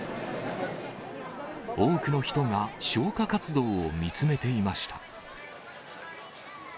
多くの人が消火活動を見つめていました。